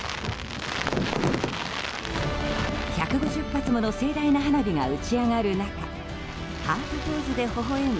１５０発もの盛大な花火が打ち上がる中ハートポーズでほほ笑む